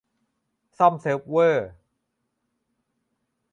ซ่อมเซิร์ฟเวอร์